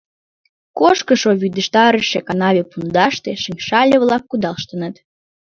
Кошкышо вӱдыжтарыше канаве пундаште шыҥшале-влак кудалыштыныт.